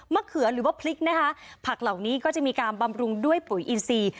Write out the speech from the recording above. เขือหรือว่าพริกนะคะผักเหล่านี้ก็จะมีการบำรุงด้วยปุ๋ยอินซี